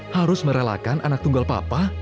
harus merelakan anak tunggal papa